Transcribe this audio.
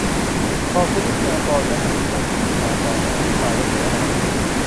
ขอบคุณวิทยากรและทุกท่านที่ติดตามการอภิปรายและเสวนาวันนี้